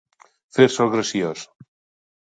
Fer-se el graciós.